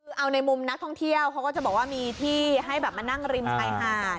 คือเอาในมุมนักท่องเที่ยวเขาก็จะบอกว่ามีที่ให้แบบมานั่งริมชายหาด